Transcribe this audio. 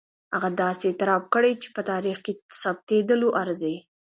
هغه داسې اعتراف کړی چې په تاریخ کې ثبتېدلو ارزي.